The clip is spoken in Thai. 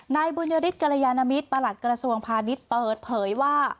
นายบุญยฤทธกรยานมิตรประหลัดกระทรวงพาณิชย์เปิดเผยว่า